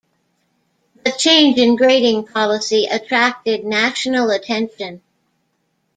The change in grading policy attracted national attention.